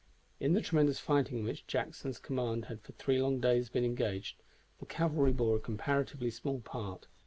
In the tremendous fighting in which Jackson's command had for three long days been engaged, the cavalry bore a comparatively small part.